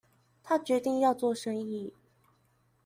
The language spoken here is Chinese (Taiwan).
他決定要做生意